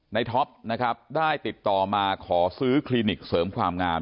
ท็อปนะครับได้ติดต่อมาขอซื้อคลินิกเสริมความงาม